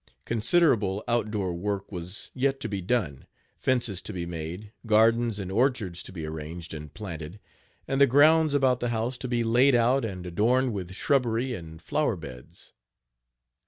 Considerable out door work was yet to be done fences to be made, gardens and orchards to be arranged and planted, and the grounds about the house to be laid out and adorned with shubbery and flower beds.